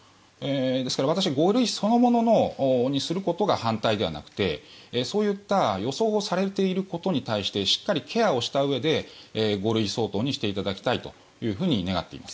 ですから、私は５類そのものにすることが反対ではなくて、そういった予想されていることに対してしっかりケアをしたうえで５類相当にしていただきたいと願っています。